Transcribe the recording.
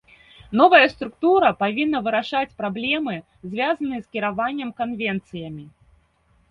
Новая структура павінна вырашыць праблемы, звязаныя з кіраваннем канвенцыямі.